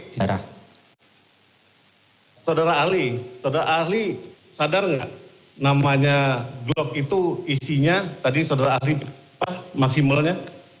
saudara ahli saudara ahli sadar nggak namanya glock itu isinya tadi saudara ahli maksimalnya